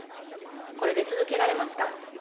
これで続けられますか。